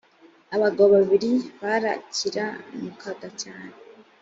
abagabo babiri barakiranukaga cyane .